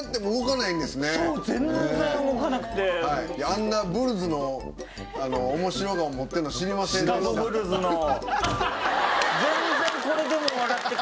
あんなブルズの面白顔持ってるの知りませんでした。